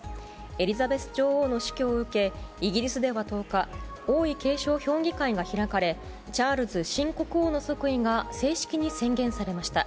エリザベス女王の死去を受け、イギリスでは１０日、王位継承評議会が開かれ、チャールズ新国王の即位が正式に宣言されました。